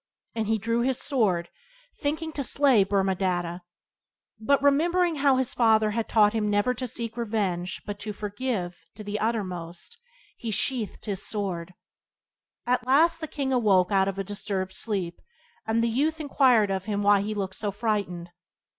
And he drew his sword, thinking to slay Brahmadatta. But, remembering how his father had taught him never to seek revenge but to forgive to the uttermost, he sheathed his sword. At last the king awoke out of a disturbed sleep, and the youth inquired of him why he looked so frightened.